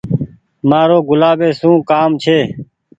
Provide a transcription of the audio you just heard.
مآرو گل لي سون ڪآم ڇي۔